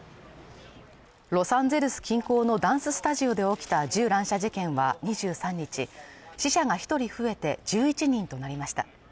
ロサンゼルス近郊のダンススタジオで起きた銃乱射事件は２３日死者が一人増えて１１人となりました